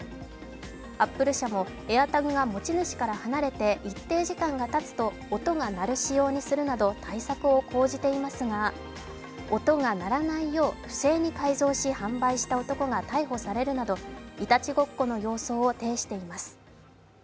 アップル社もＡｉｒＴａｇが持ち主から離れて一定時間がたつと音が鳴る仕様にするなど対策を講じていますが音が鳴らないよう不正に改造し販売した男が逮捕されるなどいたちごっこの様相を呈しています。